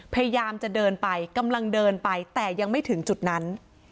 พยายามจะเดินไปกำลังเดินไปแต่ยังไม่ถึงจุดนั้น